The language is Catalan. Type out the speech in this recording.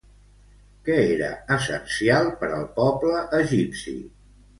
Què era essencial per al poble egipci?